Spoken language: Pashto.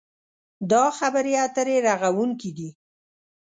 دا خبرې اترې رغوونکې دي.